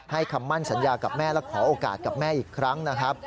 คำมั่นสัญญากับแม่และขอโอกาสกับแม่อีกครั้งนะครับ